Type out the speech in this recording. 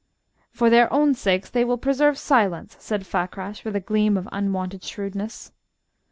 "For their own sakes they will preserve silence," said Fakrash, with a gleam of unwonted shrewdness.